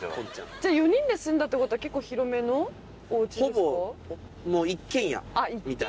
じゃあ４人で住んだってことは結構広めのお家ですか？